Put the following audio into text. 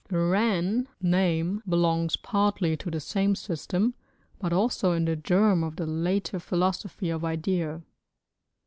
The ran, name, belongs partly to the same system, but also is the germ of the later philosophy of idea.